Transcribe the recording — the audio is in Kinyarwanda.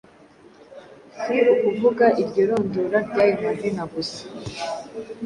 si ukuvuga iryo rondora ry'ayo mazina gusa.